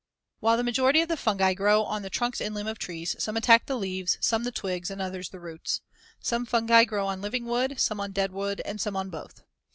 ] While the majority of the fungi grow on the trunks and limbs of trees, some attack the leaves, some the twigs and others the roots. Some fungi grow on living wood some on dead wood and some on both.